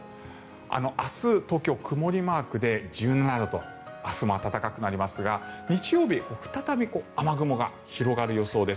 明日、東京は曇りマークで１７度と明日も暖かくなりますが日曜日、再び雨雲が広がる予想です。